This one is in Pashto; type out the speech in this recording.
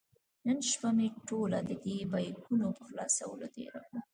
نن شپه مې ټوله د دې بیکونو په خلاصولو تېره کړې.